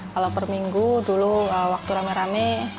kalau per minggu dulu waktu rame rame